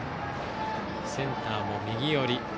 センターも右寄り。